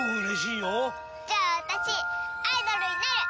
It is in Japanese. じゃあ私アイドルになる！